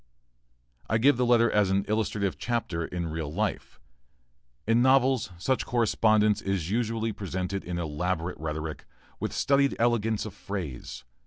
I give the letter as an illustrative chapter in real life. In novels such correspondence is usually presented in elaborate rhetoric, with studied elegance of phrase.